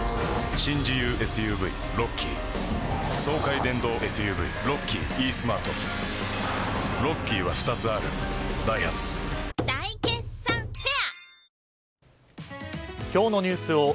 新自由ＳＵＶロッキー爽快電動ＳＵＶロッキーイースマートロッキーは２つあるダイハツ大決算フェア